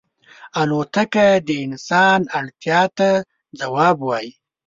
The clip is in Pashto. الوتکه د انسان اړتیا ته ځواب وايي.